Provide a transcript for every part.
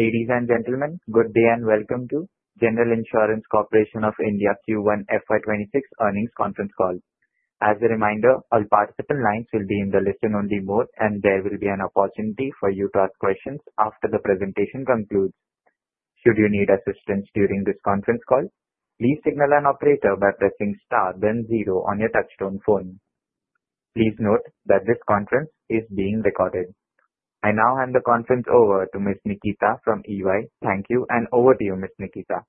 Ladies and Gentlemen, good day and welcome to General Insurance Corporation of India Q1 FY 2026 Earnings Conference Call. As a reminder, all participant lines will be in the listen only mode and there will be an opportunity for you to ask questions after the presentation concludes. Should you need assistance during this conference call, please signal an operator by pressing star then zero on your touchstone phone. Please note that this conference is being recorded. I now hand the conference over to Ms. Nikita from EY. Thank you and over to you Ms. Nikita.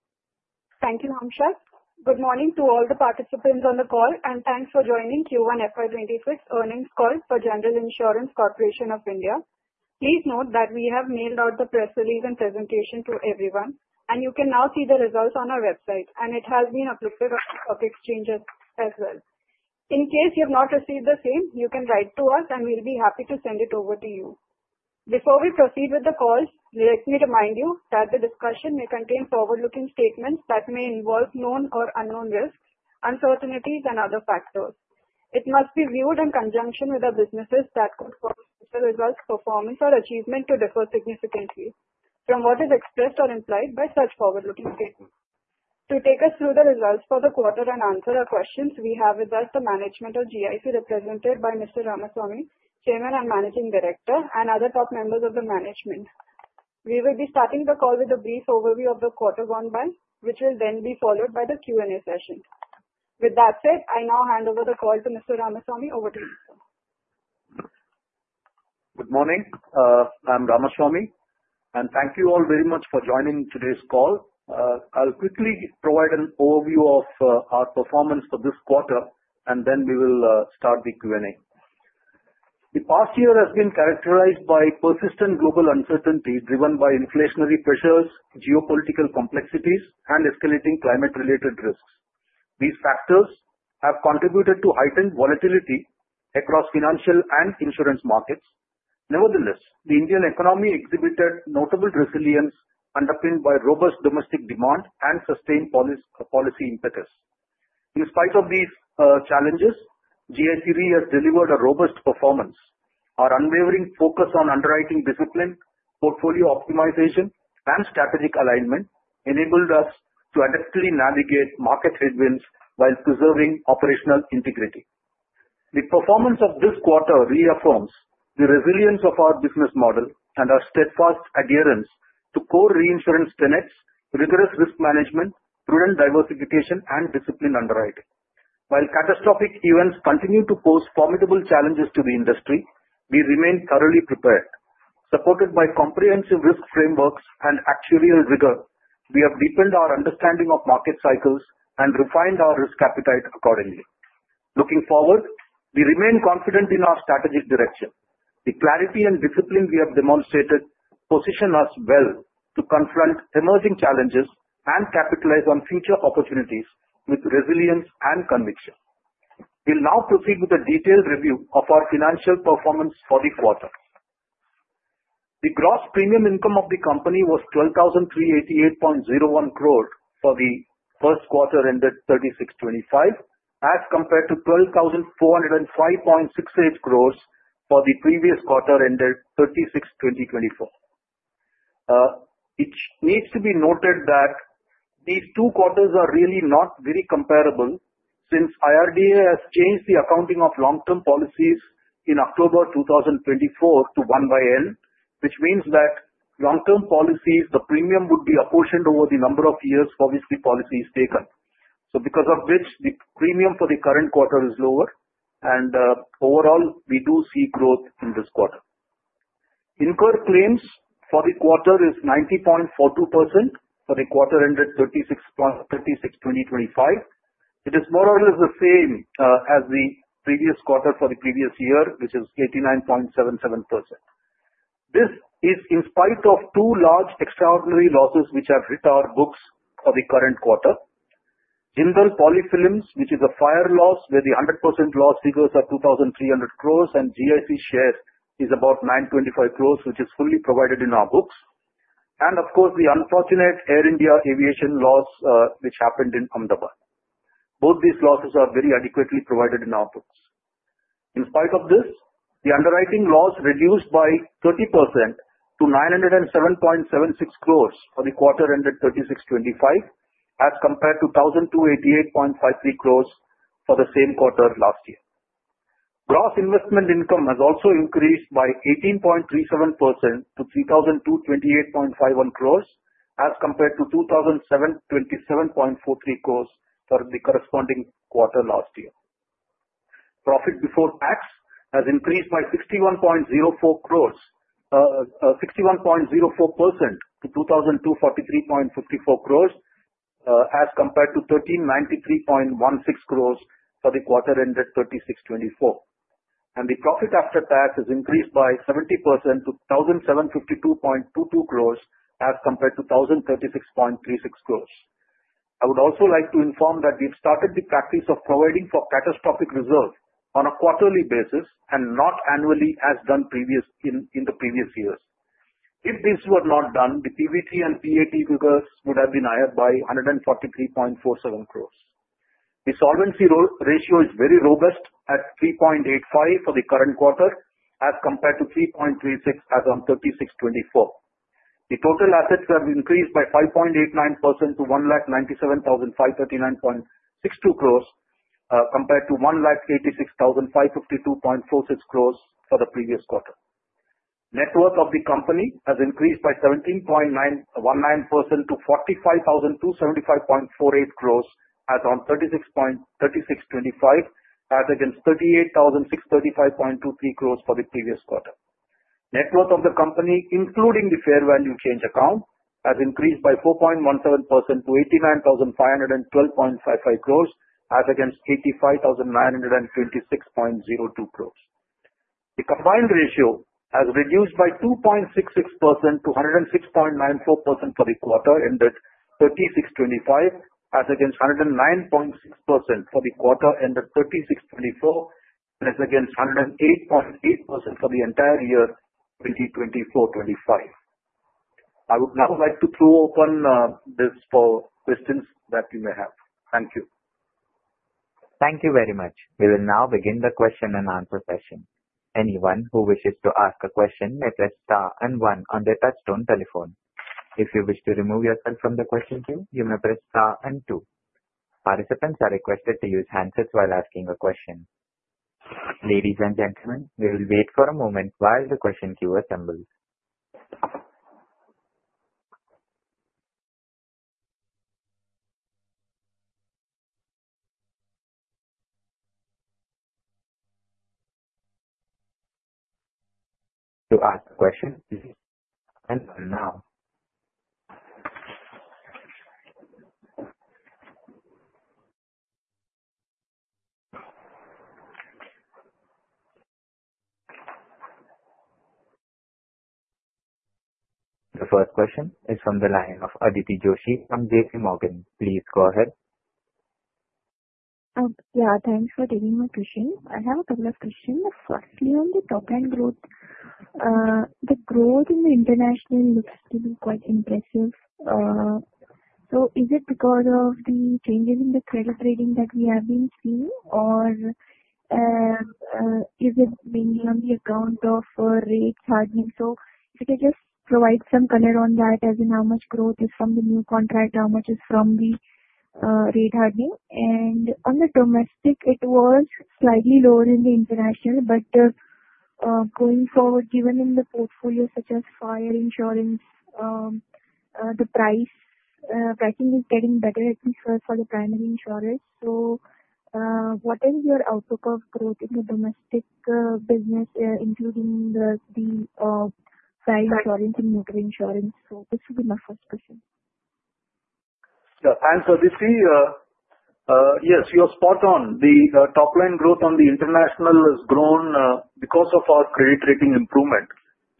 Thank you, [Hamsha]. Good morning to all the participants on the call and thanks for joining the Q1 FY 2026 Earnings Call For General Insurance Corporation of India. Please note that we have mailed out the press release and presentation to everyone and you can now see the results on our website and it has been uploaded on exchanges as well. In case you have not received the same, you can write to us and we'll be happy to send it over to you. Before we proceed with the call, let me remind you that the discussion may contain forward-looking statements that may involve known or unknown risks, uncertainties, and other factors. It must be viewed in conjunction with the businesses as actual performance or achievement may differ significantly from what is expressed or implied by such forward-looking statements. To take us through the results for the quarter and answer our questions, we have with us the management of General Insurance Corporation of India represented by Mr. Ramaswamy, Chairman and Managing Director, and other top members of the management. We will be starting the call with a brief overview of the quarter gone by, which will then be followed by the Q&A session. With that said, I now hand over the call to Mr. Ramaswamy. Over to you. Good morning, I'm Mr. Ramaswamy and thank you all very much for joining today's call. I'll quickly provide an overview of our performance for this quarter and then we will start the Q&A. The past year has been characterized by persistent local uncertainty driven by inflationary pressures, geopolitical complexities, and escalating climate-related risks. These factors have contributed to heightened volatility across financial and insurance markets. Nevertheless, the Indian economy exhibited notable resilience, underpinned by robust domestic demand and sustained policy impetus. In spite of these challenges, GIC has delivered a robust performance. Our unwavering focus on underwriting discipline, portfolio optimization, and strategic alignment enabled us to adequately navigate market headwinds while preserving operational integrity. The performance of this quarter reaffirms the resilience of our business model and our steadfast adherence to core reinsurance tenets, rigorous risk management, prudent diversification, and discipline in underwriting. While catastrophic events continue to pose formidable challenges to the industry, we remain thoroughly prepared. Supported by comprehensive risk frameworks and actuarial rigor, we have deepened our understanding of market cycles and refined our risk appetite accordingly. Looking forward, we remain confident in our strategic direction. The clarity and discipline we have demonstrated position us well to confront emerging challenges and capitalize on future opportunities with resilience and conviction. We will now proceed with a detailed review of our financial performance for the quarter. The gross premium income of the company was 12,388.01 crore for the first quarter ended 30/06/2025 as compared to 12,405.68 crore for the previous quarter ended 30/06/2024. It needs to be noted that these two quarters are really not very comparable since IRDA has changed the accounting of long-term policies in October 2024 to one by N, which means that for long-term policies the premium would be apportioned over the number of years for which the policy is taken. Because of this, the premium for the current quarter is lower and overall we do see growth in this quarter. Incurred claims for the quarter is 90.42% for the quarter ended 30/06/2025. It is more or less the same as the previous quarter for the previous year, which is 89.77%. This is in spite of two large extraordinary losses which have hit our books for the current quarter. Jindal Poly Films, which is a fire loss where the 100% loss figures are 2,300 crore and GIC share is about 925 crore, which is fully provided in our books, and of course the unfortunate Air India aviation loss which happened in Ahmedabad. Both these losses are very adequately provided in our books. In spite of this, the underwriting loss reduced by 30% to 907.76 crore for the quarter ended 30/06/2025 as compared to 1,288.53 crore for the same quarter last year. Gross investment income has also increased by 18.37% to 3,228.51 crore as compared to 2,727.43 crore for the corresponding quarter last year. Profit before tax has increased by 61.04% to 2,243.54 crore as compared to 1,393.16 crore for the quarter ended 30/06/2024, and the profit after tax has increased by 70% to 1,752.22 crore as compared to 1,036.36 crore. I would also like to inform that we've started the practice of providing for catastrophic reserves on a quarterly basis and not annually as done in the previous year. If this were not done, the PBT and PAT figures would have been higher by 143.47 crore. The solvency ratio is very robust at 3.85 for the current quarter as compared to 3.36 as on 30/06/2024. The total assets have increased by 5.89% to 197,539.62 crore compared to 186,552.46 crore for the previous quarter. Net worth of the company has increased by 17.919% to 45,275.48 crore at around 30/06/2025 as against 38,635.23 crore for the previous quarter. Net worth of the company including the fair value change account has increased by 4.17% to 89,512.55 crore as against 85,956.02 crore. The combined ratio has reduced by 2.66% to 106.94% for the quarter ended 30/06/2025 as against 109.6% for the quarter ended 3Q24 and 108.8% for the entire year FY 2024, 2025. I would now like to throw open this for questions that you may have. Thank you. Thank you very much. We will now begin the question-and-answer session. Anyone who wishes to ask a question may press star and one on the touchstone telephone. If you wish to remove yourself from the question queue, you may press star and two. Participants are requested to use handsets while asking a question. Ladies and gentlemen, we will wait for a moment while the question queue assembles to ask a question. The first question is from the line of Aditi Joshi from JPMorgan. Please go ahead. Yeah, thanks for taking my question. I have a couple of questions. Firstly, on the top end growth, the growth in the international looks to be quite impressive. Is it because of the changes in the credit rating that we have been seeing, or is it mainly on the account of rates hardening? Could you just provide some color on that, as in how much growth is from the new contract, how much is from the rate hardening, and on the domestic it was slightly lower than the international. Going forward, given in the portfolio such as fire insurance, the pricing is getting better, at least for the primary insurance. What is your outlook in the domestic business, including the assurance and motor insurance? This would be my first question. Yeah. This year, yes, you're spot on the top line. Growth on the international has grown because of our credit rating improvement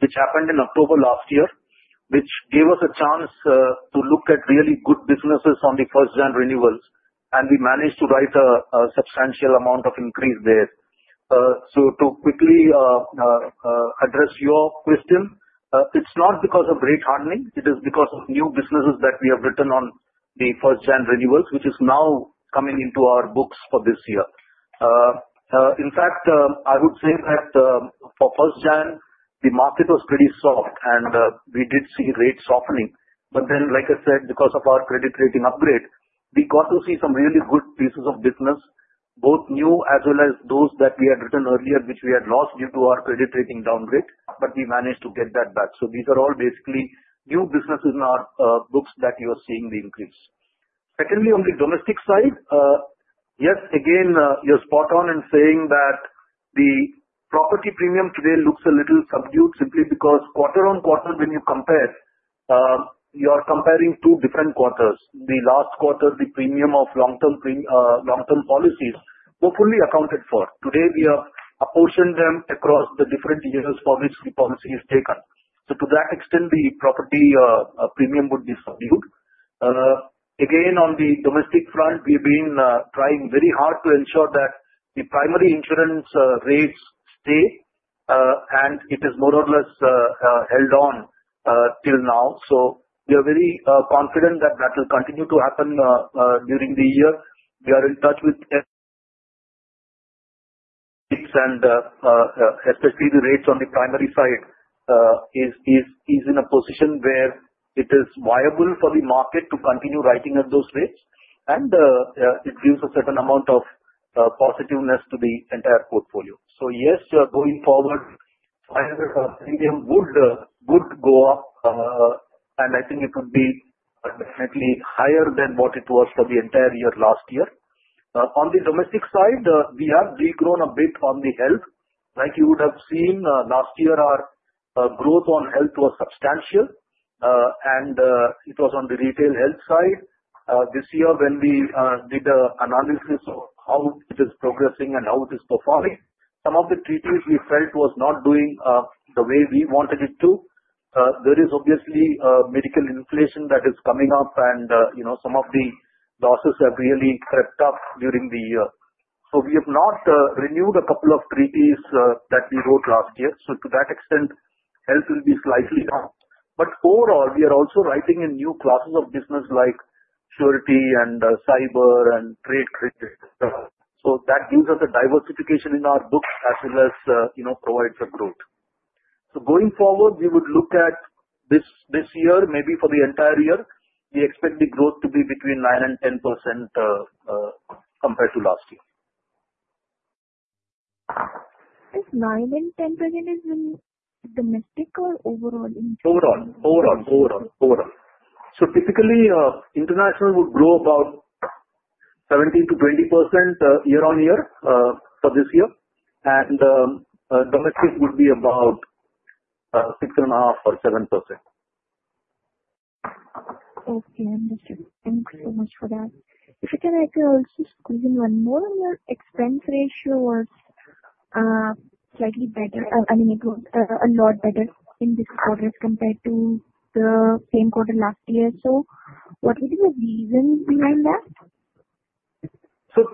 which happened in October last year, which gave us a chance to look at really good businesses on the 1st January renewals and we managed to rise a substantial amount of increase there. To quickly address your question, it's not because of great harming, it is because of new businesses that we have written on the 1st January renewals which is now coming into our books for this year. In fact, I would say that for the 1st of January, the market was pretty soft and we did see rates softening. Like I said, because of our credit rating upgrade we got to see some really good pieces of business, both new as well as those that we had written earlier which we had lost due to our credit rating downgrade. We managed to get that back. These are all basically new business in our books that you are seeing the increase. Secondly, on the domestic side, yes, again you're spot on in saying that the property premium today looks a little subdued simply because quarter-on-quarter when you compare, you are comparing two different quarters. The last quarter the premium of long-term policies were fully accounted for. Today we apportion them across the different years for which the policy is taken. To that extent the property premium would be subdued. Again, on the domestic front we have been trying very hard to ensure that the primary insurance rates stay and it is more or less held on till now. We are very confident that that will continue to happen during the year. We are in touch with and SSD rates on the primary side is in a position where it is viable for the market to continue writing at those rates and it gives a certain amount of positiveness to the entire portfolio. Yes, going forward 500 would go up and I think it would be slightly higher than what it was for the entire year last year. On the domestic side we have grown a bit on the health, like you would have seen last year, our growth on health was substantial and it was on the retail health side. This year when we did analysis how it is progressing and how it is performing, some of the treaties we felt was not doing the way we wanted it to. There is obviously medical inflation that is coming up and some of the losses have really crept up during the year. We have not renewed a couple of treaties that we wrote last year. To that extent, health will be slightly up. Overall, we are also writing in new classes of business like surety, cyber, and trade credit. That gives us diversification in our books as well as provides growth. Going forward, we would look at this year, maybe for the entire year, we expect the growth to be between 9% and 10% compared to last year. Is 9% and 10% in domestic or overall? Overall. Typically, international would grow about 17% to 20% year on year this year, and the metric would be about 6.5% or 7%. Okay, thank you so much for that. I can also squeeze in one more. Your expense ratio was slightly better. I mean it was a lot better in this quarter as compared to the same quarter last year. What would be the reason behind that?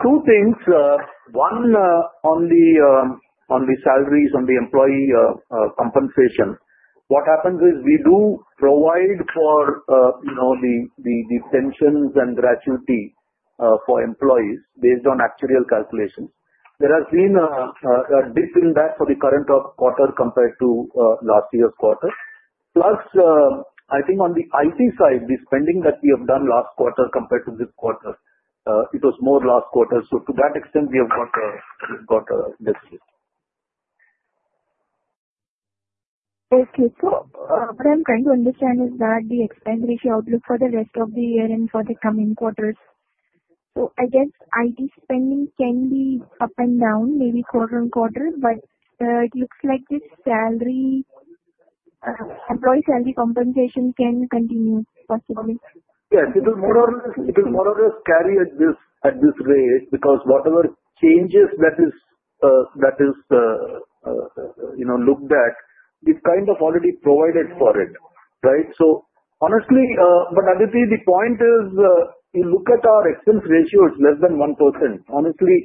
Two things. One, on the salaries, on the employee compensation, what happens is we do provide for the pensions and gratuity for employees based on actuarial calculation. There has been a decent debt for the current quarter compared to last year quarters. Plus, I think on the IT side, the spending that we have done last quarter compared to this quarter, it was more last quarter. To that extent, we have got this. What I'm trying to understand is the expense ratio outlook for the rest of the year and for the coming quarters. I guess IT spending can be up and down, maybe quarter-on-quarter, but it looks like this salary, employee salary compensation can continue. Yes, it is more or less carry at this rate because whatever changes that is looked at is kind of already provided for it. Right. Honestly, Aditi, the point is you look at our expense ratio, it's less than 1%. Honestly,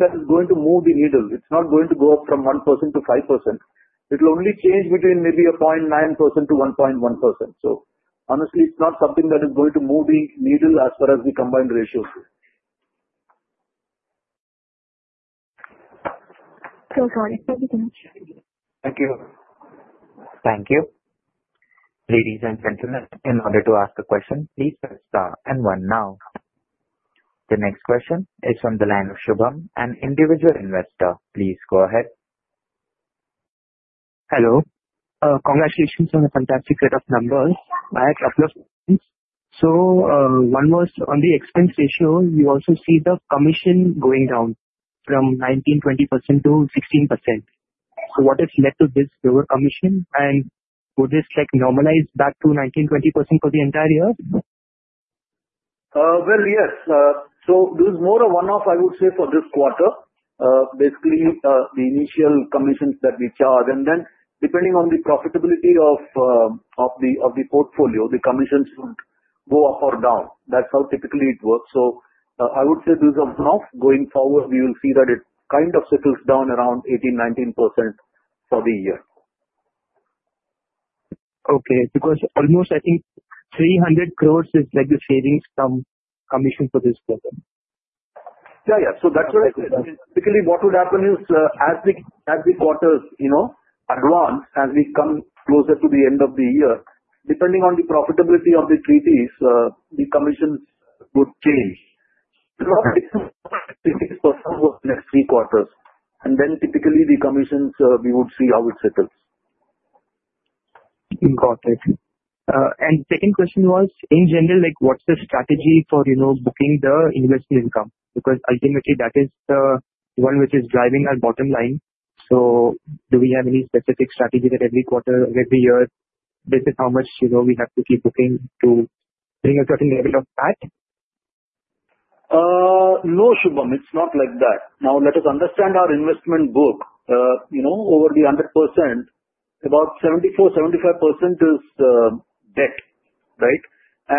that is going to move the needle. It's not going to go from 1% to 5%. It will only change between nearly 0.9%-1.1%. Honestly, it's not something that is going to move the needle as far as the combined ratios. Thank you so much. Thank you. Thank you. Ladies and gentlemen, in order to ask the question, please press and run now. The next question is from the line of [Shubham,] an individual investor. Please go ahead. Hello. Congratulations on the fantastic set of numbers by a couple of. One was on the expense ratio. You also see the commission going down from 19% to 20% to 16%. What has led to this, your commission? Would this normalize back to 19%, 20% for the entire year? This is more of a one off, I would say, for this quarter. Basically, the initial commissions that we charge and then depending on the profitability of the portfolio, the commissions will go up or down. That's how typically it works. I would say this is going forward, we will see that it kind of settles down around 18%, 19% for the year. Okay. Because almost, I think 300 crore is like the savings, some commission for this program? Yeah, yeah. That's what I said. Basically, what would happen is as the quarters advance, as we come closer to the end of the year, depending on the profitability of the treaties, the commission would change. Three quarters and then typically the commissions, we would see how it settled. Got it. Second question was in general, like, what's the strategy for, you know, booking the investment income? Because ultimately that is the one which is driving our bottom line. Do we have any specific strategies at every quarter of every year, this. Is how much we have to keep looking to bring a certain level of that. No, [Shubham,] it's not like that. Now let us understand our investment book. You know, over the 100%, about 74%, 75% is debt. Right.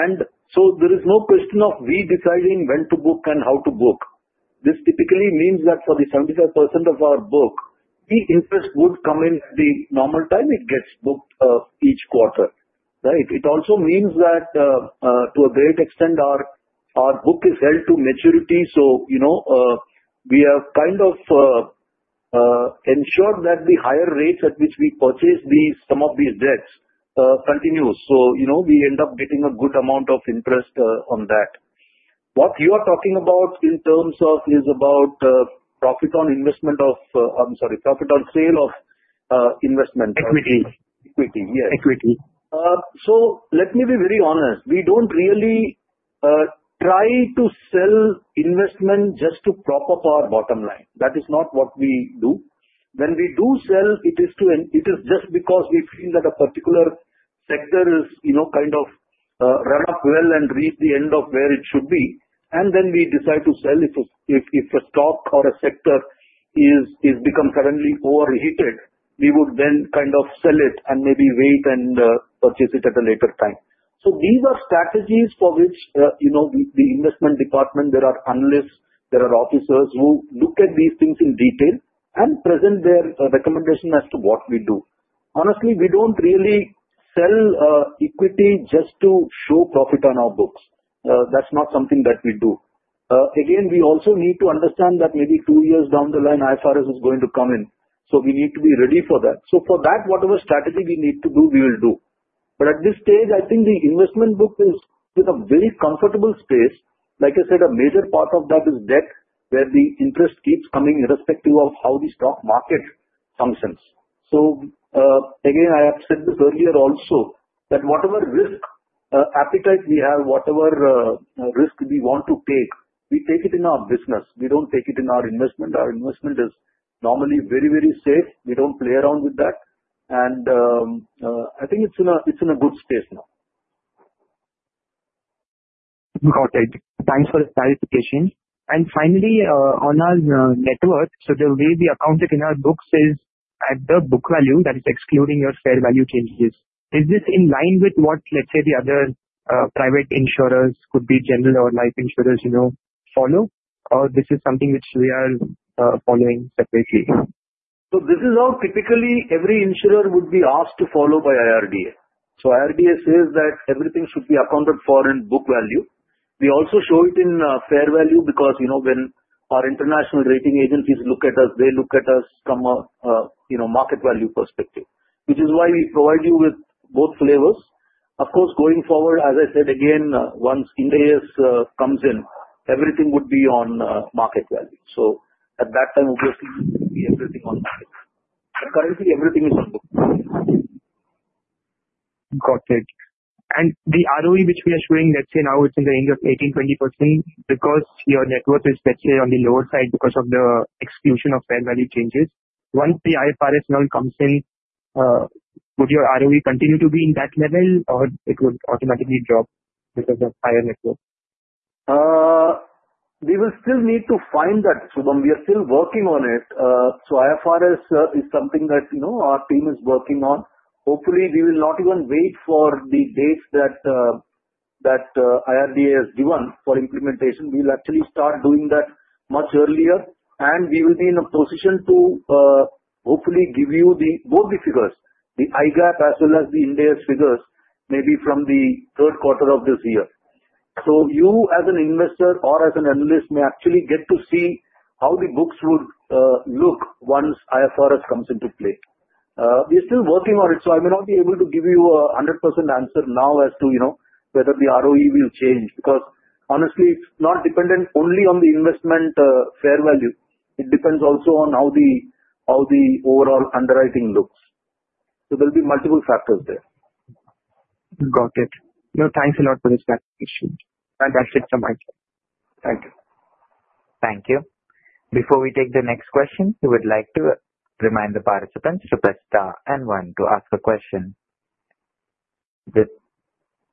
There is no question of we deciding when to book and how to book. This typically means that for the 75% of our book, the interest would come in the normal time. It gets booked each quarter. It also means that to a great extent, our book is held to maturity. We have kind of ensured that the higher rates at which we purchase these, some of these debts continues. We end up getting a good amount of interest on that. What you are talking about in terms of is about profit on investment of, I'm sorry, profit on sale of investment equity. Let me be very honest. We don't really try to sell investment just to prop up our bottom line. That is not what we do. When we do sell, it is just because we feel that a particular sector has kind of run up well and reached the end of where it should be, and then we decide to sell. If a stock or a sector has become suddenly overheated, we would then sell it and maybe wait and purchase it at a later time. These are strategies for which the investment department, there are analysts, there are officers who look at these things in detail and present their recommendation as to what we do. Honestly, we don't really sell equity just to show profit on our books. That's not something that we do. We also need to understand that maybe two years down the line, IFRS is going to come in, so we need to be ready for that. For that, whatever strategy we need to do, we will do. At this stage, I think the investment book is in a very comfortable space. Like I said, a major part of that is debt, where the interest keeps coming irrespective of how the stock market functions. I have said this earlier also that whatever risk appetite we have, whatever risk we want to take, we take it in our business. We don't take it in our investment. Our investment is normally very, very safe. They don't play around with that. I think it's in a good space now. Got it. Thanks for the clarification. Finally, on our net worth, the way we account it in our books is at the book value, that is, excluding your fair value changes. Is this in line with what, let's say, the other private insurers, could be general or life insurers, follow, or is this something which we are following? This is how typically every insurer would be asked to follow by IRDA. IRDA says that everything should be accounted for in book value. We also show it in fair value because when our international rating agencies look at us, they look at us from a market value perspective, which is why we provide you with both flavors. Of course, going forward, as I said again, once IFRS comes in, everything would be on market value. At that time, obviously, everything is. Got it. The ROE which we are showing, let's say now, it's in the range of 18%-20% because your net worth is, let's say, on the lower side because of the execution of fair value changes. Once the IFRS now comes in, would your ROE continue to be in that level or it would automatically drop because of the higher net worth?, We will still need to find that. We are still working on it. IFRS is something that, you know, our team is working on. Hopefully we will not even wait for the dates that IRDA has given for implementation. We'll actually start doing that much earlier and we will be in a position to hopefully give you both the figures, the IGAP as well as the India's figures maybe from the third quarter of this year. You as an investor or as an analyst may actually get to see how the books would look once IFRS comes into play. We're still working on it. I may not be able to give you a 100% answer now as to, you know, whether the ROE will change because honestly it's not dependent only on the investment fair value. It depends also on how the overall underwriting looks. There will be multiple factors there. Got it. No. Thanks a lot for this presentation. Fantastic. Thank you. Thank you. Before we take the next question, we would like to remind the participants to press star and one to ask a question. The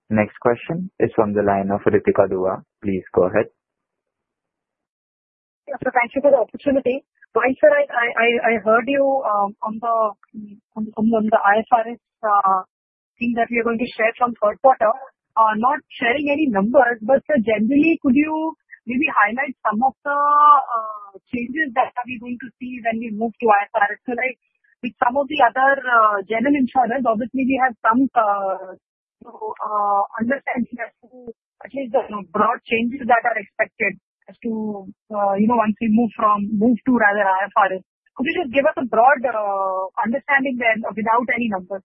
next question is from the line of Rikita Dua. Please go ahead. Thank you for the opportunity. I heard you on the ISRS thing that we are going to share from third quarter, not sharing any numbers, but generally could you maybe highlight some of the changes that are we going to see when we move to IFRS with some of the other general insurance. Obviously we have some understanding of at least the broad changes that are expected as to, you know, once we move to IFRS. Could you just give us a broad understanding then without any numbers.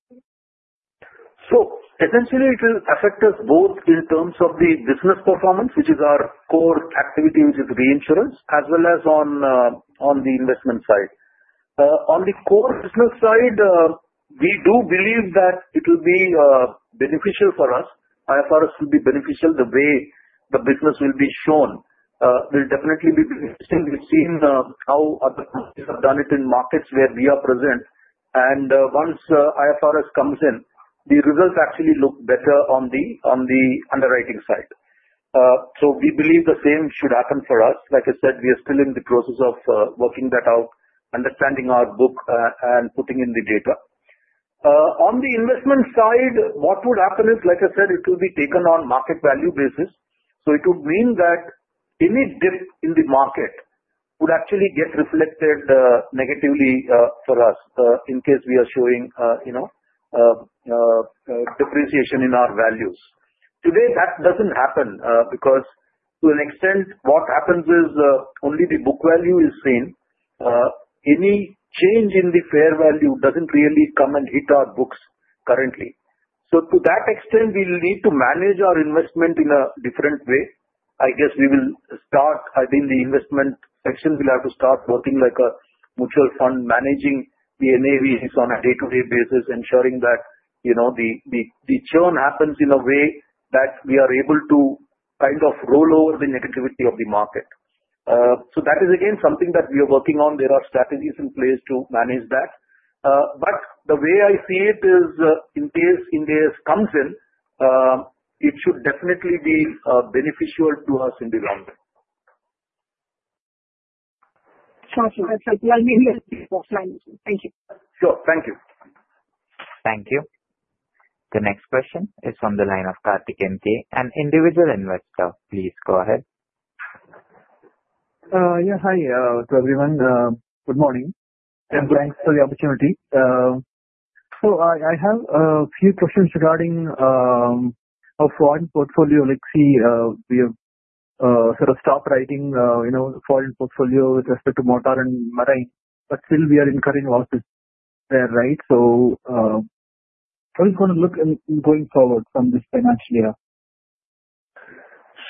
Essentially, it will affect us both in terms of the business performance, which is our core activity, which is reinsurance, as well as on the investment side. On the core business side, we do believe that it will be beneficial for us. IFRS will be beneficial. The way the business will be shown will definitely be different. We've seen how others have done it in markets where we are present, and once IFRS comes in, the results actually look better on the underwriting side. We believe the same should happen for us. Like I said, we are still in the process of working that out, understanding our book, and putting in the data. On the investment side, what would happen is, like I said, it will be taken on a market value basis. It would mean that any dip in the market would actually get reflected negatively for us in case we are showing depreciation in our values. Today, that doesn't happen because, to an extent, what happens is only the book value is seen. Any change in the fair value doesn't really come and hit our books currently. To that extent, we will need to manage our investment in a different way. I guess we will start, I think the investment section will have to start working like a mutual fund, managing the NAVs on a day-to-day basis, ensuring that the churn happens in a way that we are able to kind of roll over the negativity of the market. That is again something that we are working on. There are strategies in place to manage that. The way I see it is, in case IFRS comes in, it should definitely be beneficial to us in the long run. Thank you. Sure. Thank you. Thank you. The next question is from the line of [Karthik NK,] an individual investor. Please go ahead. Yeah. Hi to everyone. Good morning and thanks for the opportunity. I have a few questions regarding a foreign portfolio. We have sort of stopped writing, you know, foreign respect to Motor and Marine. We are still incurring a lot there, right? How are you going to look at it going forward in this financial year?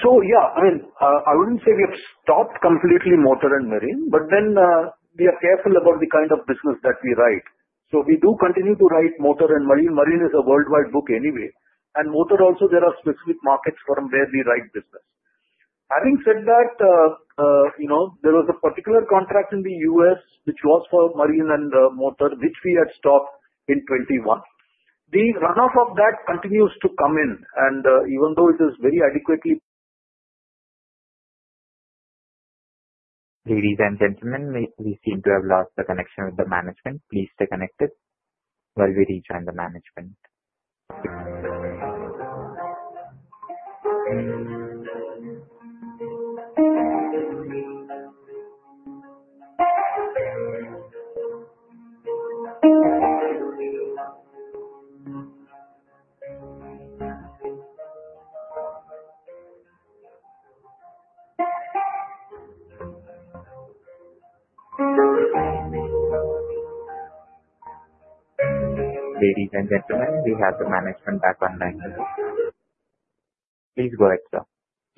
I mean, I wouldn't say we have stopped completely Motor and Marine, but we are careful about the kind of business that we write. We do continue to write Motor and Marine. Marine is a worldwide book anyway, and Motor also there are specific markets from where we write business. Having said that, there was a particular contract in the U.S. which was for Marine and Motor which we had stopped in 2021. The runoff of that continues to come in and even though it is very adequately. Ladies and gentlemen, we seem to have lost the connection with the management. Please stay connected while we rejoin the management. Ladies and gentlemen, we have the management back online. Please go ahead, sir.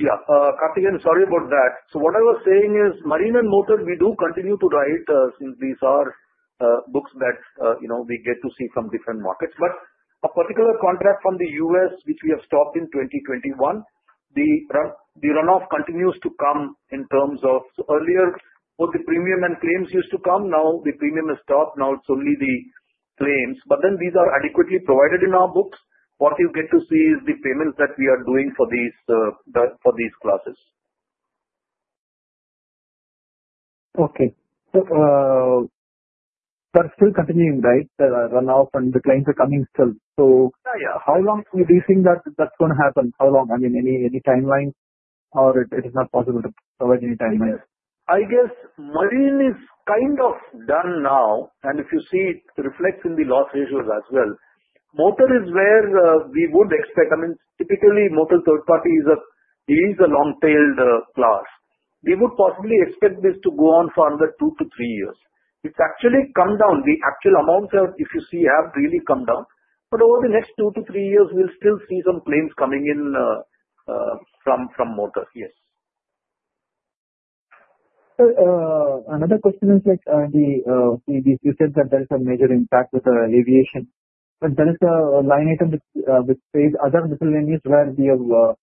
Yeah, [Karthikan,] sorry about that. What I was saying is Marine and Motor we do continue to write since these are books that you know we get to see some different markets. A particular contract from the U.S. which we have stopped in 2021, the runoff continues to come in terms of earlier both the premium and claims used to come. Now the premium is stopped, now it's only the claims, but then these are adequately provided in our books. What you get to see is the payments that we are doing for these, for these classes. Okay. They're still continuing. Right. Runoff and the clients are coming still. How long do you think that that's going to happen? How long? I mean any. Any timeline or it is not possible to provide any timeline. I guess Marine is kind of done now, and if you see, it reflects in the loss ratios as well. Motor is where we would expect. I mean, typically motor third-party is a long tailed class. We would possibly expect this to go on for another two to three years. It's actually come down. The actual amounts, if you see, are really come down. Over the next two to three years we'll still see some claims coming in from motor. Yes. Another question is that the major impact with aviation, but there is a line item which says other miscellaneous where we have where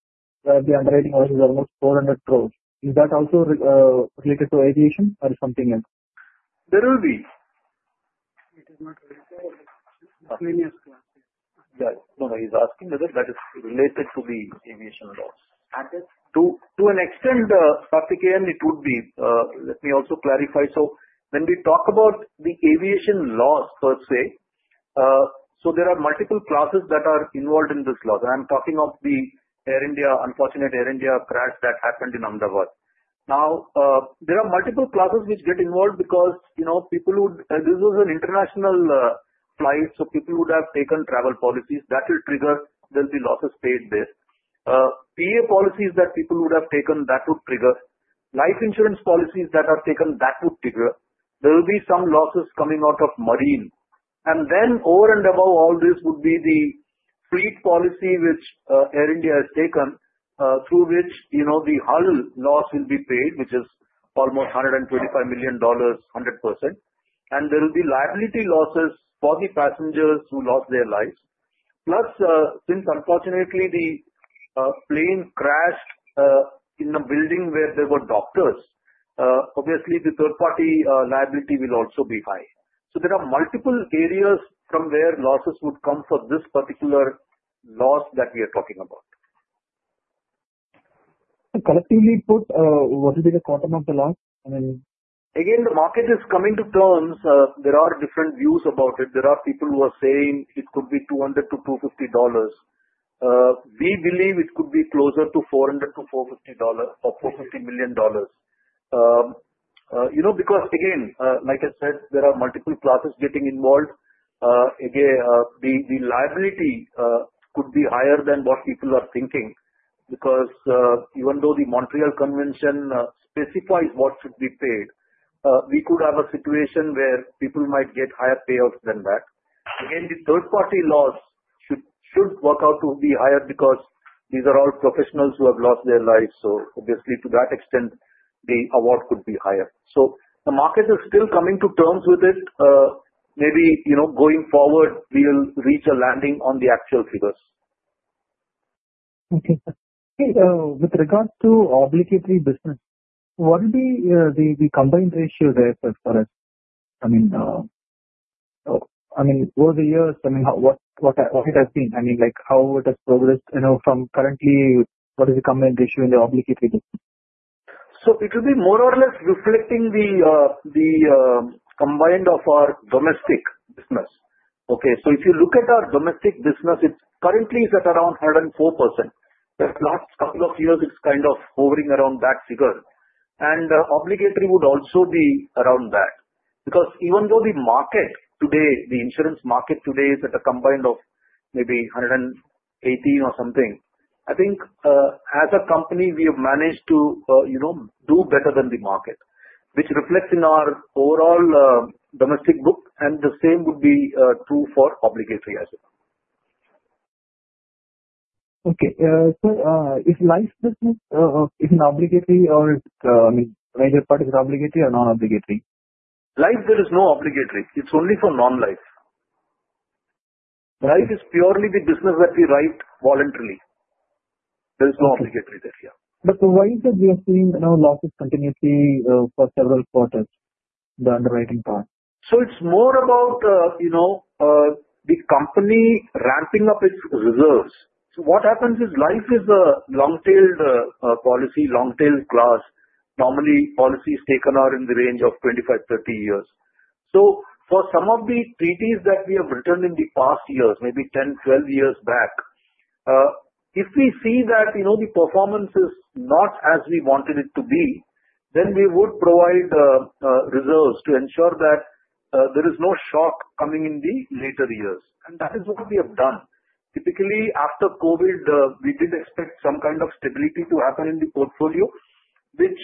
the underwriting is almost 400 crore. Is that also related to aviation or something else? There will be, yeah. No, no, he's asking whether that is related to the aviation route. To an extent it would be. Let me also clarify. When we talk about the aviation loss per se, there are multiple classes that are involved in this loss. I'm talking of the Air India, unfortunate Air India crash that happened in Ahmedabad. There are multiple classes which get involved because, you know, people would, this is an international flight, so people would have taken travel policies that will trigger. There'll be lots of state there PA policies that people would have taken that would trigger, life insurance policies that are taken back to. There will be some losses coming out of marine. Over and above all this would be the police policy which Air India has taken, through which, you know, the hull loss will be paid, which is almost $125 million, 100%. There will be liability losses for the passengers who lost their lives. Plus, since unfortunately the plane crashed in a building where there were doctors, obviously the third-party liability will also be high. There are multiple areas from where losses would come for this particular loss that we are talking about collectively put. What is the quantum of the loss? I mean, again, the market is coming to terms. There are different views about it. There are people who are saying it could be $200-$250 million. We believe it could be closer to $400-$450 million, you know, because again, like I said, there are multiple classes getting involved. The liability could be higher than what people are thinking because even though the Montreal Convention specifies what should be paid, we could have a situation where people might get higher payouts than that. The third-party loss should work out to be higher because these are all professionals who have lost their lives. Obviously, to that extent the award could be higher. The market is still coming to terms with it. Maybe, you know, going forward we will reach a landing on the actual figures. With regards to OBD3 business, what would be the combined ratio there for a, I mean, over the years, I mean what, what it has been. I mean like how it has progressed from currently. What is the current issue in the obligatory? It will be more or less reflecting the combined of our domestic business. If you look at our domestic business, it currently is at around 104% the last couple of years. It's kind of hovering around back seater. Obligatory would also be around that because even though the market today, the insurance market today is at a combined of maybe 118% or something, I think as a company we have managed to do better than the market, which reflects in our overall domestic book. The same would be true for obligatory as well. Okay. If life is an obligatory or major part of obligatory or non-obligatory Life, there is no obligatory, it's only for non-life. Life is purely the business that we write voluntarily. There's no obligatory this year. The providers we are seeing now losses continuously for several quarters, the underwriting part. It's more about the company ramping up its reserves. What happens is life is a long-tailed policy, long-tailed class. Normally, policies are taken out in the range of 25, 30 years. For some of the treaties that we have written in the past years, maybe 10, 12 years back, if we see that the performance is not as we wanted it to be, then we would provide reserves to ensure that there is no shock coming in the later years. That is what we have done. Typically, after Covid, we did expect some kind of stability to happen in the portfolio, which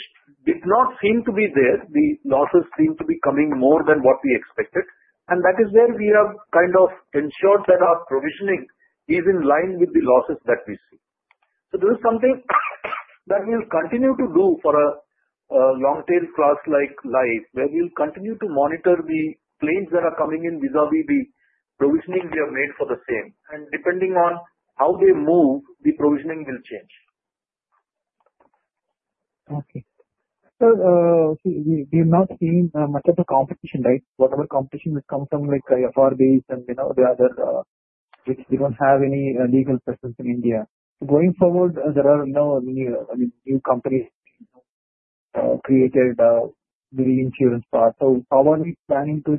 it's not seen to be there. The losses seem to be coming more than what we expected. That is where we have kind of ensured that our provisioning is in line with the losses that we see. This is something that we'll continue to do for a long-tail class like life, where we'll continue to monitor the claims that are coming in vis-à-vis provisioning we have made for the same, and depending on how they move, the provisioning will change. Okay. We have not seen much of the competition, right. Whatever competition would come from, like, and you know, the other which we don't have any legal presence in India going forward. There are no new companies created, the reinsurance part. How are we planning to,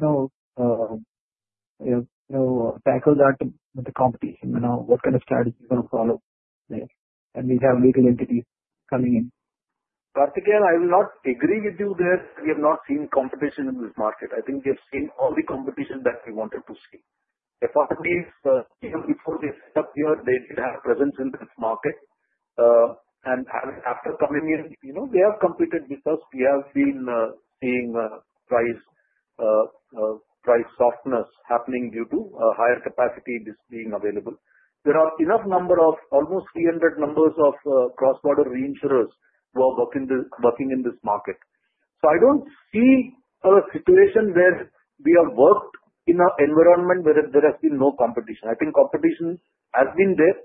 you know, tackle that with the competition, you know, what kind of strategy is going to follow. We have little entities coming in. I will not agree with you there. We have not seen competition in this market. I think we have seen all the competition that I wanted to see presence in this market. After coming years, you know, they have competed with us. We have been seeing price, price softness happening due to higher capacity being available. There are enough number of almost 300 cross-border reinsurers who are working in this market. I don't see a situation where we have worked in an environment where there has been no competition. I think competition has been there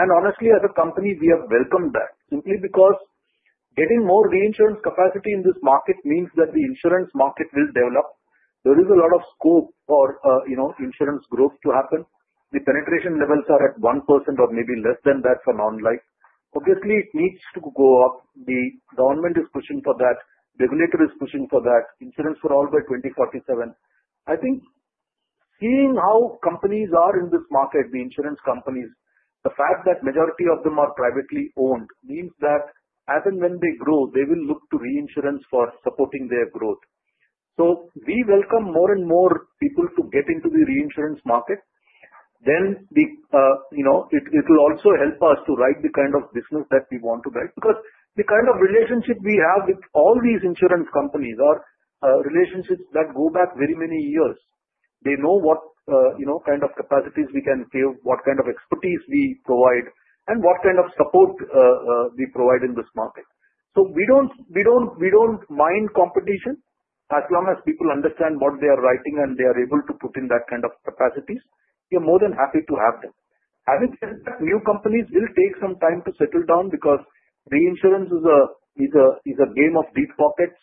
and honestly, as a company, we have welcomed that simply because getting more reinsurance capacity in this market means that the insurance market will develop. There is a lot of scope for, you know, insurance growth to happen. The penetration levels are at 1% or maybe less than that for non-life. Obviously, it needs to go up. The government is pushing for that, regulator is pushing for that, insurance for all by 2047. I think seeing how companies are in this market, the insurance companies, the fact that majority of them are privately owned means that as and when they grow, they will look to reinsurance for supporting their growth. We welcome more and more people to get into the reinsurance market. It will also help us to write the kind of business that we want to write. Because the kind of relationship we have with all these insurance companies are relationships that go back very many years, they know what, you know, kind of capacities we can save, what kind of expertise we provide, and what kind of support we provide in this market. We don't, we don't, we don't mind competition. As long as people understand what they are writing and they are able to put in that kind of capacities, we're more than happy to have them. Having said, new companies will take some time to settle down because insurance is a, either is a game of deep pockets.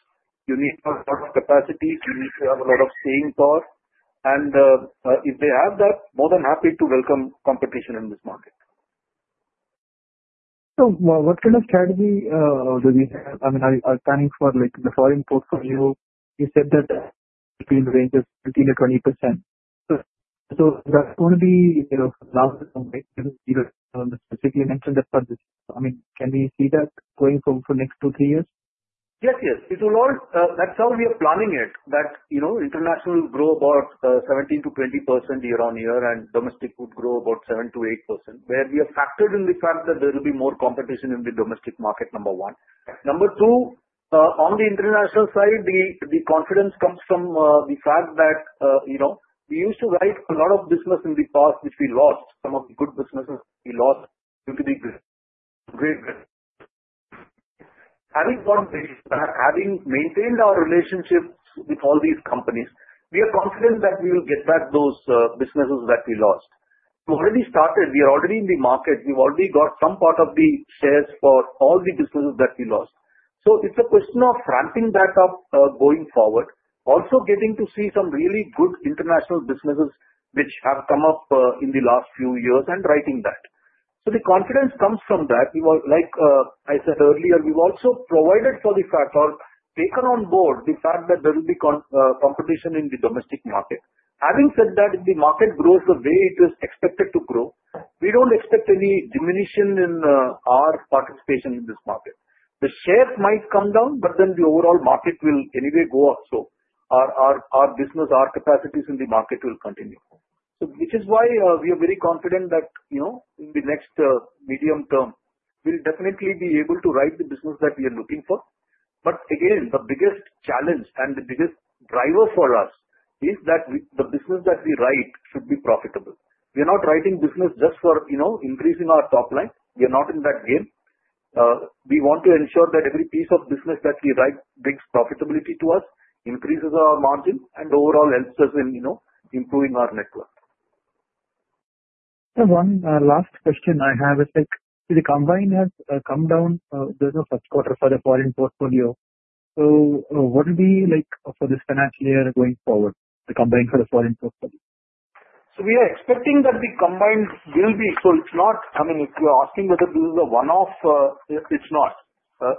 You need a lot of capacity, you need to have a lot of staying power, and if they have that, more than happy to welcome competition in this market. What kind of strategy are you planning for the foreign portfolio? You said that between ranges 15%-20%. Is that going to be, can we see that going for the next two, three years? Yes, yes, that's how we are planning it. International will grow about 17 to 20% year on year and domestic would grow about 7 to 8% where we have factored in the fact that there will be more competition in the domestic market, number one. Number two, on the international side, the confidence comes from the fact that we used to write a lot of business in the past which we lost. Some of the good businesses we lost due to the great risk having bottom basis. Having maintained our relationships with all these companies, we are confident that we will get back those businesses that we lost. We already started, we are already in the market. We've already got some part of the shares for all the businesses that we lost. It's a question of ramping that up going forward. Also, we are getting to see some really good international businesses which have come up in the last few years. Writing that, the confidence comes from that like I said earlier, we've also provided for the factor, taken on board the fact that there will be competition in the domestic market. If the market grows the way it is expected to grow, we don't expect any diminution in our participation in this market. The share might come down, but then the overall market will anyway go up, so our business, our capacities in the market will continue. This is why we are very confident that in the next medium term we'll definitely be able to write the business that we are looking for. Again, the biggest challenge and the biggest driver for us is that the business that we write should be profitable. We are not writing business just for increasing our top line. We are not in that game. We want to ensure that every piece of business that we write brings profitability to us, increases our margin, and overall answers in improving our net worth. One last question I have is, the combined has come down the first quarter for the foreign portfolio. What will it be like for this financial year going forward? The combined for the foreign portfolio, We are expecting that the combined yield, it's not, I mean if you're asking whether this is a one off, it's not.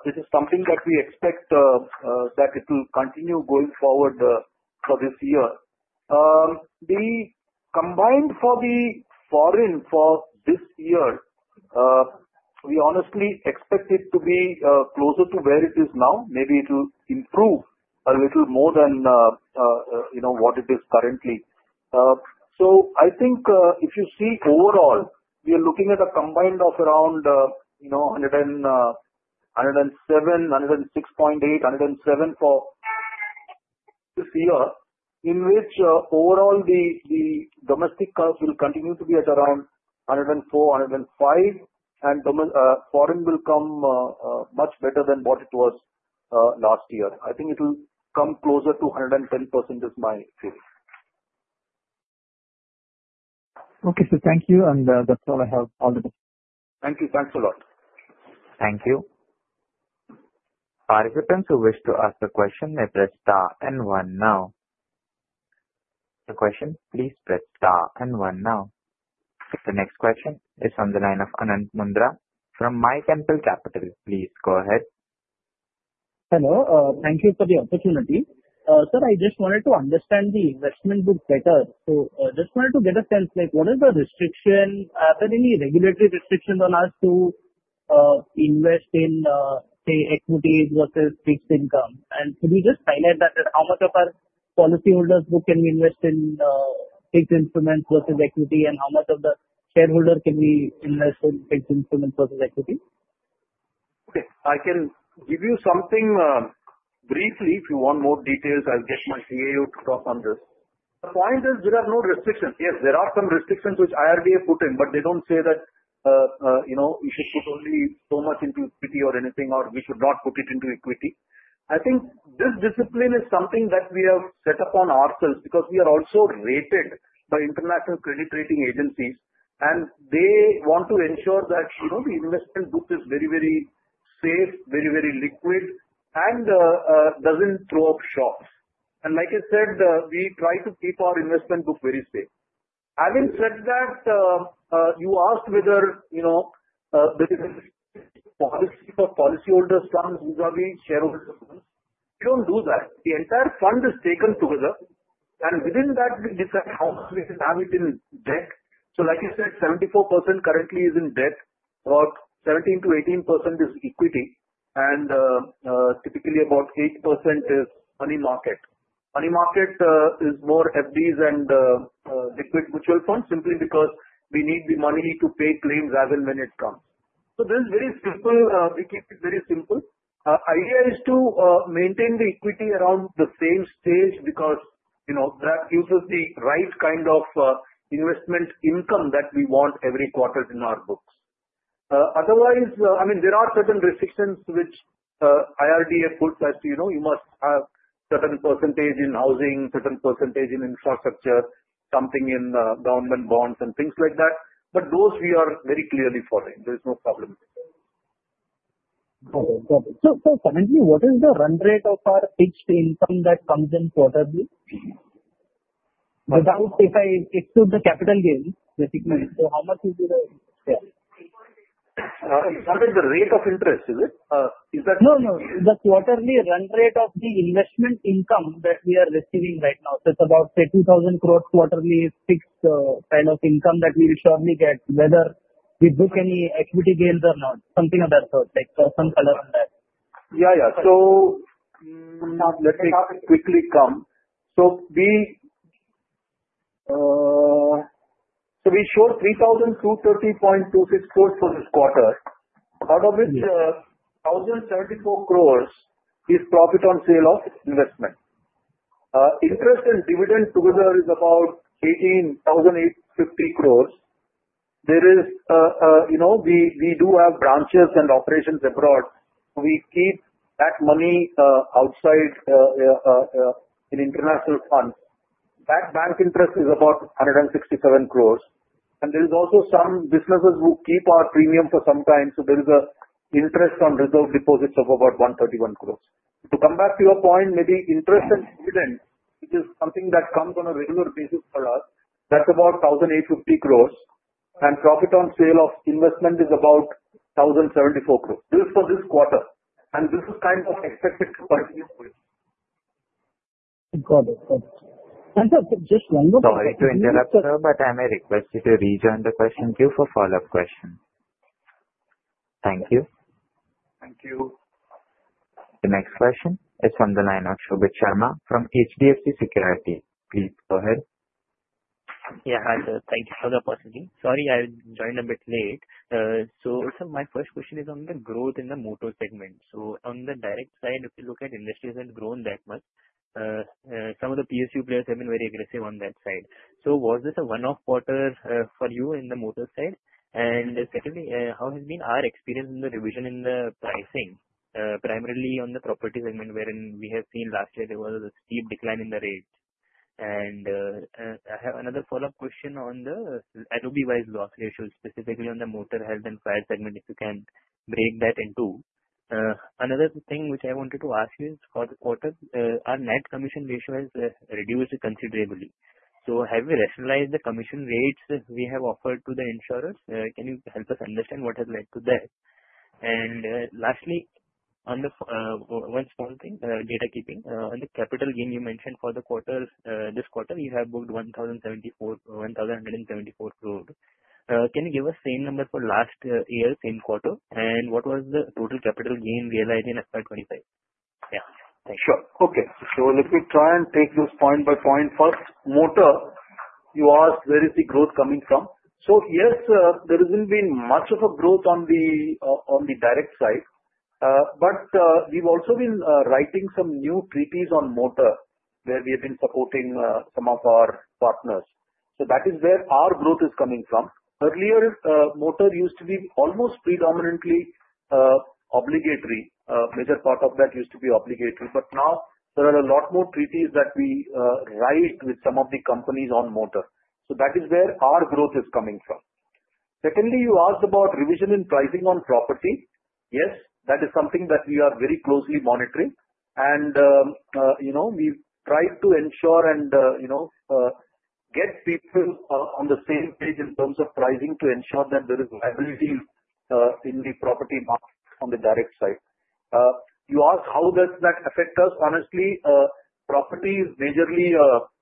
This is something that we expect that it will continue going forward for this year. The combined for the foreign for this year, we honestly expect it to be closer to where it is now. Maybe it will improve a little more than you know, what it is currently. I think if you see it overall, we are looking at a combined of around, you know, 107, 106.8, 107 for this year in which overall the domestic curve will continue to be at around 104, 105 and foreign will come much better than what it was last year. I think it will come closer to 110% of my feelings. Okay. Thank you. That's all I have. Thank you. Thanks a lot. Thank you. Participants who wish to ask the question, please press star and one now. The next question is on the line of Anant Mundra from Mytemple Capital. Please go ahead. Hello. Thank you for the opportunity, sir. I just wanted to understand the investment book better. I just wanted to get a sense, like what is the restriction? Are there any regulatory restrictions on us to invest in, say, equity? What is fixed income? Can we just highlight how much of our policyholders' book can we invest in fixed instruments, equity, and how much of that can be analyzed for pension equity? Okay. I can give you something briefly. If you want more details, I'll get my CAO to talk on this. The point is there are no restrictions. Yes, there are some restrictions which IRDA put in, but they don't say that, you know, you should put only so much into equity or anything or we should not put it into equity. I think this discipline is something that we have set upon ourselves because we are also rated by international credit rating agencies and they want to ensure that investment book is very, very safe, very, very liquid and doesn't throw up shocks. Like I said, we try to keep our investment book very safe. Having said that, you asked whether, you know, policy for policyholders, shareholders of one don't do that. Your entire fund is taken together and within that we decide how we have it in debt. Like you said, 74% currently is in debt. About 13%-18% is equity and typically about 8% is money market. Money market is more FDs and liquid mutual funds simply because we need the money to pay claims as and when it comes. This is very simple, we keep it very simple. The idea is to maintain the equity around the same stage because you know that gives us the right kind of investment income that we want every quarter in our books. Otherwise, I mean, there are certain restrictions which IRDA, you know, you must have certain percentage in housing, certain percentage in infrastructure, something in government bonds and things like that. Those we are very clearly following, there's no problem. Currently, what is the run rate of our fixed income that comes in quarterly? If I exclude the capital gain, basically how much is the. It's not in the rate of interest, is it? No, no. The quarterly run rate of the investment income that we are receiving right now, that's about 30,000 crore quarterly fixed kind of income that we will surely get whether we book any equity gains or not. Something of that. Yeah, yeah. Let me quickly come. We show 3,230.264 crore this quarter out of which 1,074 crore is profit on sale of investment. Interest and dividend together is about 18,008.50 crores. We do have branches and operations abroad. We keep that money outside in international fund; that bank interest is about 167 crores. There is also some businesses who keep our premium for some time, so there is interest on reserve deposits of about 131 crore. To come back to your point, maybe interest and student. It is something that comes on a regular basis. For us that's about 1,850 crores. Profit on sale of investment is about 1,074 for this quarter and this is kind of exciting. Got it. Got it. And, sir, just one more question. Sorry to interrupt, sir, but I may request you to rejoin the question queue for follow-up questions. Thank you. Thank you. The next question is on the line of Shobhit Sharma from HDFC Security. Please go ahead. Yeah, thank you for the opportunity. Sorry I joined a bit late. Sir, my first question is on the growth in the motor segment. On the direct side, if you look at industries, it has not grown that much. Some of the PSU players have been very aggressive on that side. Was this a one-off quarter for you in the motor side? Secondly, how has been our experience in the revision in the pricing, primarily on the property segment, wherein we have seen last year there was a steep decline in the rate? I have another follow-up question on the lobby's loss ratio, specifically on the motor and property segment. If you can break that in two. Another thing which I wanted to ask you is for the quarter, our net commission ratio has reduced considerably. Have we rationalized the commission rates we have offered to the insurers? Can you help us understand what has led to that? Lastly, on one small thing, data keeping on the capital gain you mentioned for the quarter, this quarter you have booked 1,074 crore, 1,174 crore. Can you give us the same number for last year, same quarter? What was the total capital gain realized in FY 2025? Yeah. Thank you. Okay, so let me try and take this point by point. First, Motor, you asked where is the growth coming from? Yes, there hasn't been much of a growth on the direct side, but we've also been writing some new treaties on motor where we have been supporting some of our partners. That is where our growth is coming from. Earlier, motor used to be almost predominantly obligatory, which is part of that used to be obligatory, but now there are a lot more treaties that we write with some of the companies on motor. That is where our growth is coming from. Secondly, you asked about revision in pricing on property. Yes, that is something that we are very closely monitoring, and we try to ensure and get people on the same page in terms of pricing to ensure that there is liability in the property. On the direct side, you ask how does that affect us? Honestly, property is majorly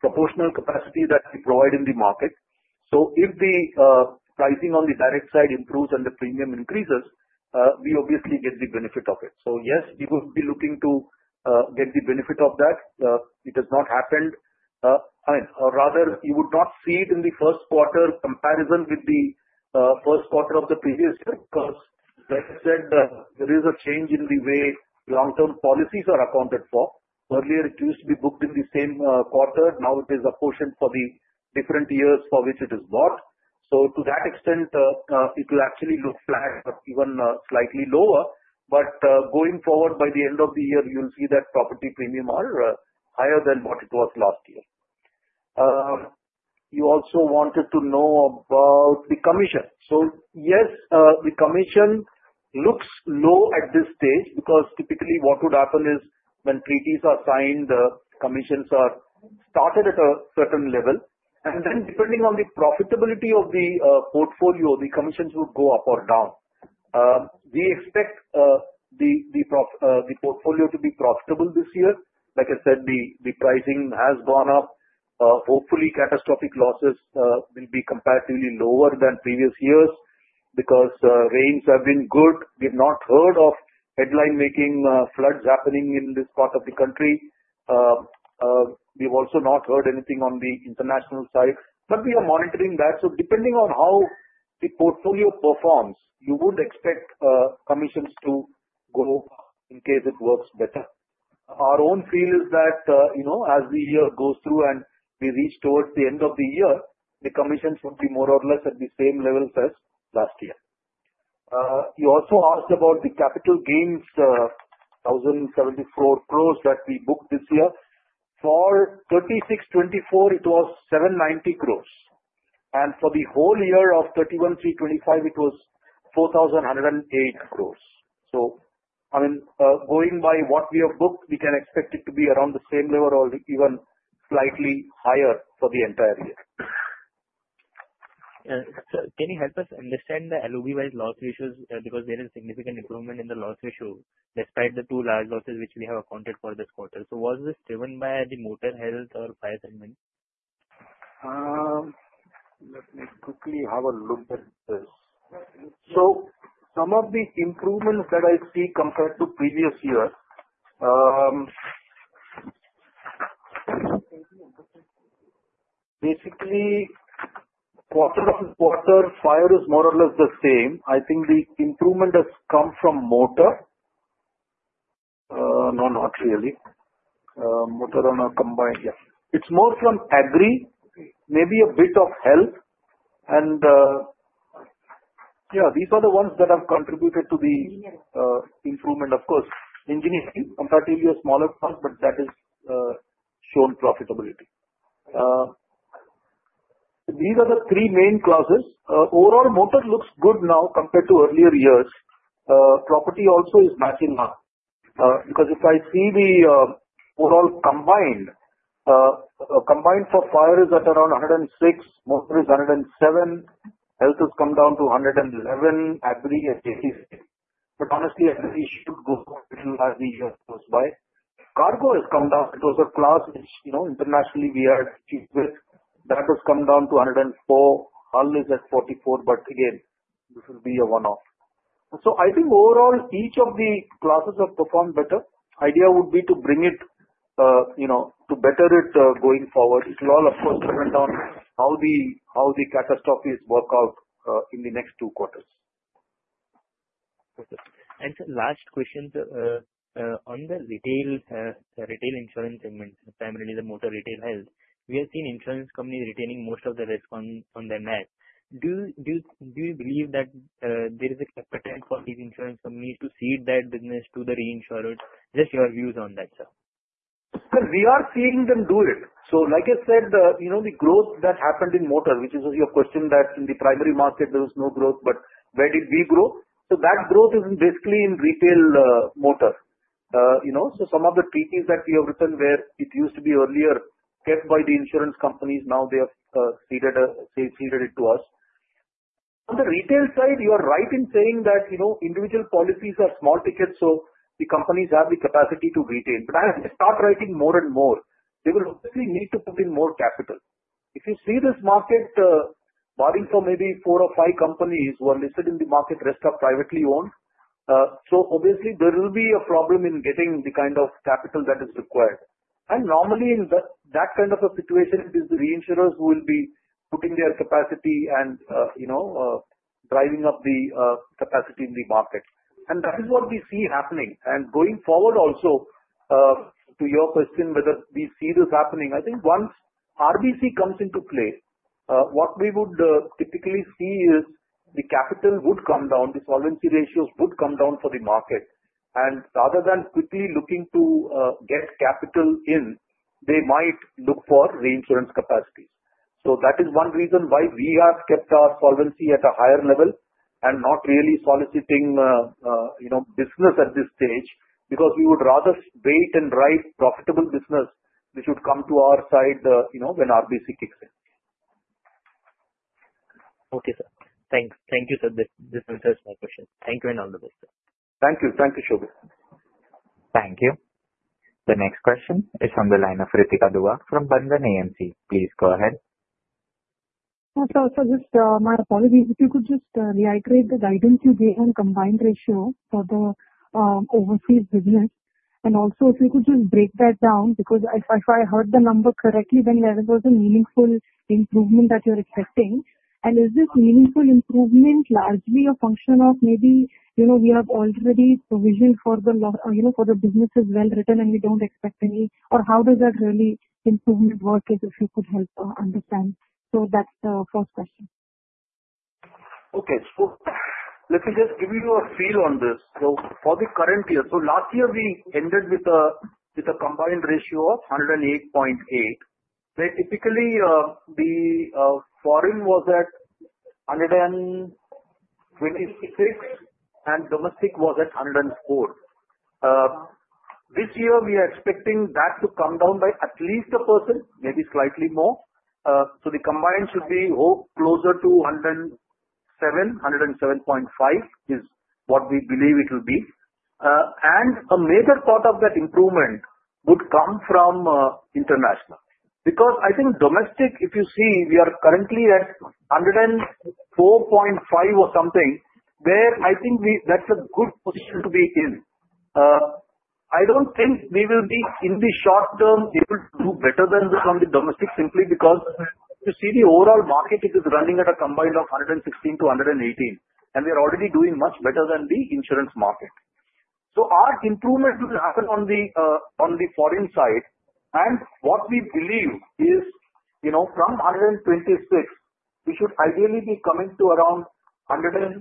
proportional capacity that we provide in the market. If the pricing on the direct side improves and the premium increases, we obviously get the benefit of it. Yes, people would be looking to get the benefit of that. It has not happened, or rather you would not see it in the first quarter comparison with the first quarter of the previous cost. That said, there is a change in the way long-term policies are accounted for. Earlier, it used to be booked in the same quarter. Now it is apportioned for the different years for which it is bought. To that extent, it will actually look flat, even slightly lower. Going forward, by the end of the year, you will see that property premium are higher than what it was last year. You also wanted to know about the commission. Yes, the commission looks low at this stage because typically what would happen is when treaties are signed, the commissions are started at a certain level and then depending on the profitability of the portfolio, the commissions would go up or down. We expect the portfolio to be profitable this year. Like I said, the pricing has gone up. Hopefully, catastrophic losses will be comparatively lower than previous years because the rains have been good. We've not heard of headline-making floods happening in this part of the country. We've also not heard anything on the international side, but we are monitoring that. Depending on how the portfolio performs, you would expect commissions to in case it works better. Our own feel is that, you know, as the year goes through and we reach towards the end of the year, the commissions would be more or less at the same level as last year. You also asked about the capital gains, 1,074 crore that we booked this year. For 2026, 2024 it was 790 crore and for the whole year of 2021, 2025 it was 4,108 crore. I mean, going by what we have booked, we can expect it to be around the same level or even slightly higher for the entire year. Can you help us understand the LOV wise loss ratios? There is significant improvement in the loss ratio despite the two large losses which we have accounted for this quarter. Was this driven by the motor health or PI segment? Let me quickly have a look. Some of the improvements that I see compared to previous year, basically water fire is more or less the same. I think the improvement has come from motor. No, not really. It's more from agri, maybe a bit of health. These are the ones that have contributed to the improvement. Of course, engineering is comparatively a smaller part, but that has shown profitability. These are the three main classes. Overall, motor looks good now compared to earlier years. Property also is massive because if I see the overall combined ratio for fire, it is at around 106, 107. Health has come down to 111, but honestly cargo has come down. It was a class which, you know, internationally we are, that has come down to 104, earlier it was at 144. This will be a one-off. I think overall each of the classes have performed better. The idea would be to bring it, you know, to better it going forward. It will all, of course, depend on how the catastrophes work out in the next two quarters. Last question on the retail, retail insurance segment, primarily the motor retail health. We have seen insurance companies retaining most of the risk on their net. Do you believe that there is a pattern for these insurance companies to cede that business to the reinsurers? Just your views on that, sir? We are seeing them do it. Like I said, the growth that happened in motor, which is your question, that in the primary market there was no growth, but where did we grow? That growth is basically in retail motor, so some of the treaties that we have written, where it used to be earlier kept by the insurance companies, now they have ceded it to us on the retail side. You are right in saying that individual policies are small tickets so the companies have the capacity to retain. As they start writing more and more they will need to put in more capital. If you see this market barring for maybe four or five companies who are listed in the market, the rest are privately owned. Obviously there will be a problem in getting the kind of capital that is required. Normally in that kind of a situation, it is the reinsurers who will be putting their capacity and driving up the capacity in the market. That is what we see happening and going forward. Also to your question, whether we see this happening, I think once RBC comes into play, what we would typically see is the capital would come down, the volume ratios would come down for the market and rather than quickly looking to get capital in, they might look for reinsurance capacity. That is one reason why we have kept our solvency at a higher level and not really solidifying business at this stage. We would rather wait and drive profitable business which would come to our side when RBC kicks in. Okay, sir, thanks. Thank you, sir. This answers my question. Thank you and all the best. Thank you. Thank you. Thank you. The next question is on the line of Ritika Dua from Bandhan AMC. Please go ahead. My apologies, if you could just reiterate the guidance you gave and combined ratio for the overseas business, and also if you could just break that down, because if I heard the number correctly, that level was a meaningful improvement that you're expecting. Is this meaningful improvement largely a function of maybe, you know, we have already provisioned for the businesses well written and we don't expect any, or how does that really improve? If you could help understand. That's the first question. Okay, let me just give you a feel on this. For the current year, last year we ended with a combined ratio of 108.8%. Typically, the foreign was at 126% and domestic was at 100%. This year we are expecting that to come down by at least a percent, maybe slightly more. The combined should be closer to 107.5% is what we believe it will be. A major part of that improvement would come from international because I think domestic, if you see, we are currently at 104.5% or something there. I think that's a good position to be in. I don't think in the short-term it will do better than the domestic simply because you see the overall market, it is running at a combined of 116%-118% and they are already doing much better than the insurance market. Our improvement will happen on the foreign side. What we believe is, from 126% we should ideally be coming to around 118%, 116%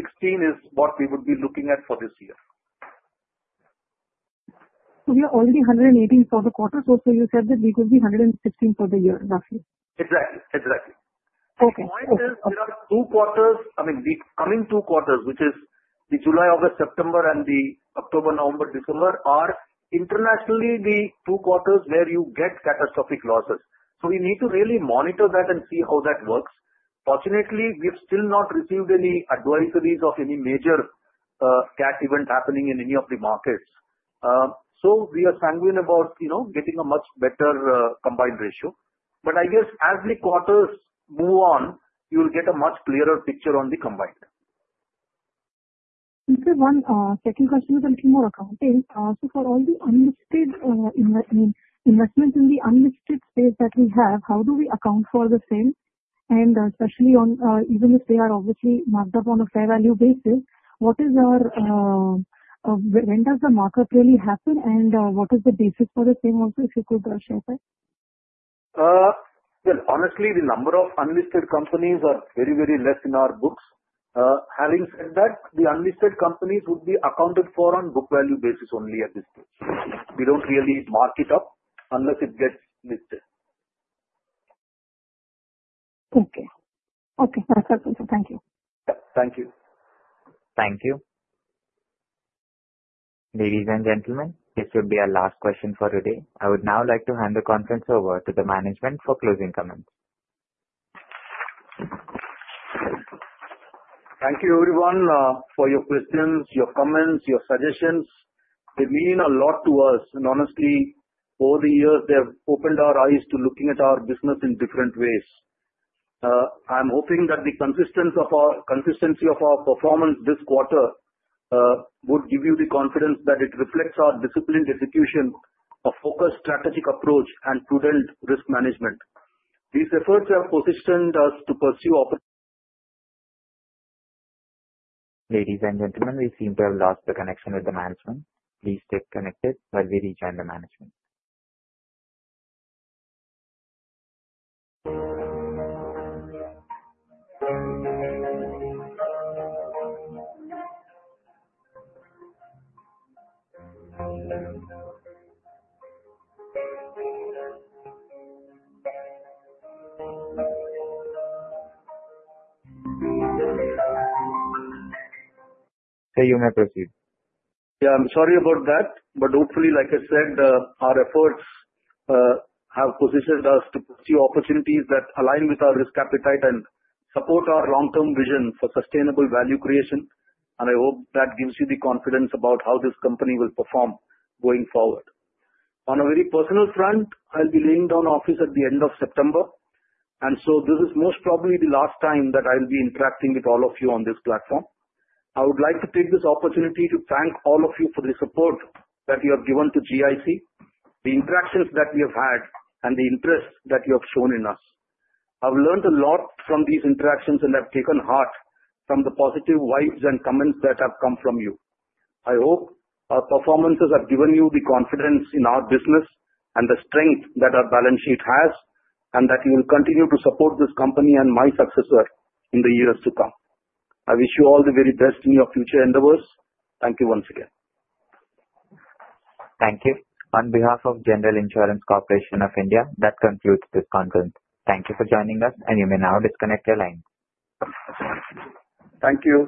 is what we would be looking at for this year. We are already at 118 for the quarter. You said that we could be at 116 for the year, roughly. Exactly, exactly. Okay, two quarters. I mean the coming two quarters, which is the July, August, September and the October, November, December, are internationally the two quarters where you get catastrophic losses. We need to really monitor that and see how that works. Fortunately, we've still not received any advisories of any major catastrophic event happening in any of the markets. We are sanguine about getting a much better combined ratio. I guess as the quarters move on you will get a much clearer picture on the combined. One second question with a little more accounting. For all the unlisted, I mean investments in the unlisted stage that we have, how do we account for the same, especially if they are obviously marked up on a fair value basis? What is our, when does the markup really happen, and what is the basis for the thing on physical? Honestly, the number of unlisted companies are very, very less in our books. Having said that, the unlisted companies would be accounted for on book value basis only at this stage. We don't really mark it up unless it gets listed. Okay. Thank you. Thank you. Thank you. Ladies and gentlemen, this would be our last question for today. I would now like to hand the conference over to the management for closing comments. Thank you everyone for your questions, your comments, your suggestions. They mean a lot to us, and honestly, over the years they have opened our eyes to looking at our business in different ways. I'm hoping that the consistency of our performance this quarter would give you the confidence that it reflects our disciplined execution, a focused strategic approach, and prudent risk management. These efforts have positioned us to pursue. Ladies and gentlemen, we seem to have lost the connection with the management. Please stay connected while we rejoin the management. I'm sorry about that. Hopefully, like I said, our efforts have positioned us to pursue opportunities that align with our risk appetite and support our long-term vision for sustainable value creation. I hope that gives you the confidence about how this company will perform going forward. On a very personal front, I'll be laying down office at the end of September, and this is most probably the last time that I'll be interacting with all of you on this platform. I would like to take this opportunity to thank all of you for the support that you have given to GIC, the interactions that we have had, and the interest that you have shown in us. I've learned a lot from these interactions and have taken heart from the positive vibes and comments that have come from you. I hope our performances have given you the confidence in our business and the strength that our balance sheet has, and that you will continue to support this company and my successor in the years to come. I wish you all the very best in your future endeavors. Thank you. Once again, Thank you on behalf of General Insurance Corporation of India. That concludes this conference. Thank you for joining us. You may now disconnect your lines. Thank you.